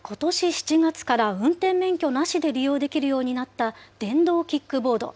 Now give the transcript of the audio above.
７月から運転免許なしで利用できるようになった、電動キックボード。